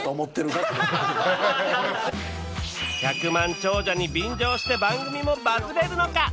百万長者に便乗して番組もバズれるのか？